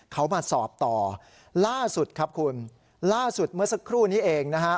เขามาสอบต่อล่าสุดครับคุณล่าสุดเมื่อสักครู่นี้เองนะฮะ